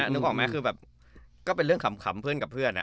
นึกออกไหมคือแบบก็เป็นเรื่องขำเพื่อนกับเพื่อน